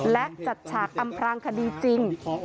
และจัดฉากอำพรางคดีจริง